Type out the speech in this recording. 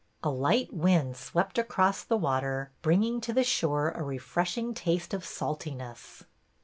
A light wind swept across the water, bringing to the shore a refreshing taste of saltiness.